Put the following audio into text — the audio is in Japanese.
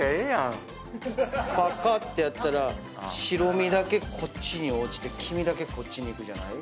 パカッてやったら白身だけこっちに落ちて黄身だけこっちに行くじゃない？